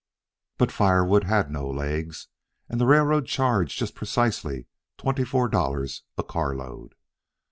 But firewood had no legs, and the railroad charged just precisely twenty four dollars a carload.